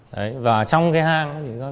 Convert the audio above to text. đấy và trong cái hang